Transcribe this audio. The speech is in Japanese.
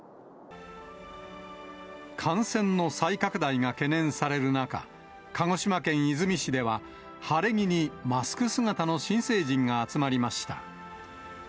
感染の再拡大が懸念される中、鹿児島県出水市では、晴れ着にマスク姿の新成人が集まりました。